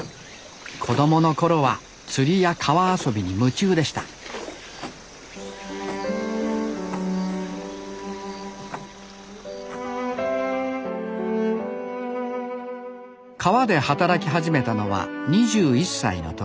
子供の頃は釣りや川遊びに夢中でした川で働き始めたのは２１歳の時。